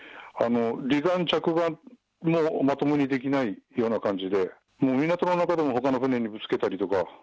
離岸着岸もまともにできないような感じで、もう港の中でも、ほかの船にぶつけたりとか。